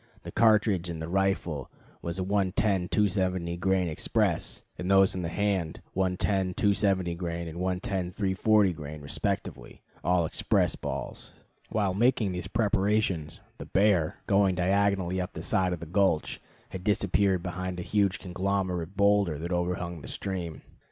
The cartridge in the rifle was a 110 270 grain express, and those in the hand 110 270 grain and 110 340 grain respectively, all express balls. While making these preparations, the bear, going diagonally up the side of the gulch, had disappeared behind a huge conglomerate boulder that overhung the stream.